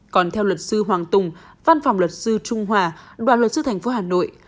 còn theo luật sư hoàng tùng văn phòng luật sư trung hòa đoàn luật sư thành phố hà nội